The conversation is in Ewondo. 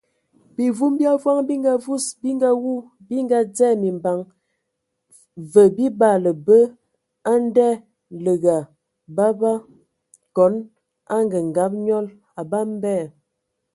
Bimvum bi avɔŋ bi ngavus, bi ngawu, bi ngadzɛ mimbaŋ və bi baala bə ndaləga baba(kon angəngab nẏɔl, abam bɛ).